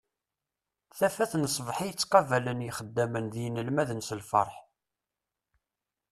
Tafat n sbeḥ i ttqabalen yixeddamen d yinelmaden s lferḥ.